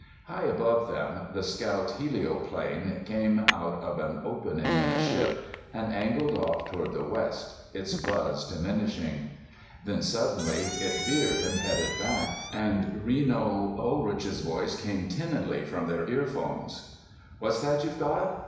High above them the scout helioplane came out of an opening in the ship and angled off toward the west, its buzz diminishing. Then, suddenly, it veered and headed back, and Reno Unrich's voice came tinnily from their earphones: "What's that you've got?